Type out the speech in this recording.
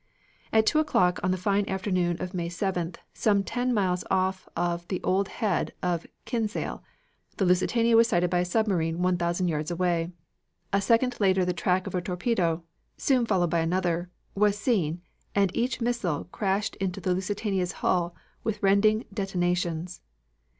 At two o'clock on the fine afternoon of May 7th, some ten miles off the Old Head of Kinsale, the Lusitania was sighted by a submarine 1,000 yards away. A second later the track of a torpedo, soon followed by another, was seen and each missile crashed into the Lusitania's hull with rending detonations.